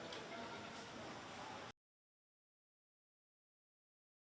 nah sekolahga aku disini